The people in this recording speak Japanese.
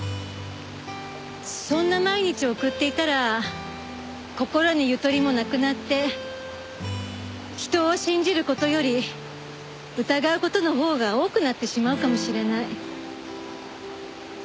そんな毎日を送っていたら心にゆとりもなくなって人を信じる事より疑う事のほうが多くなってしまうかもしれない。